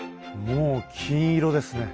もう金色ですね